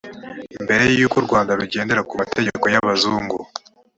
mbere yuko u rwanda rugendera ku mategeko y abazungu